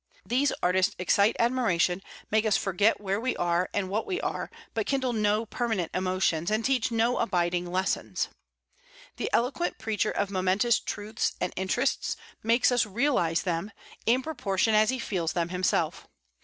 These artists excite admiration, make us forget where we are and what we are, but kindle no permanent emotions, and teach no abiding lessons. The eloquent preacher of momentous truths and interests makes us realize them, in proportion as he feels them himself.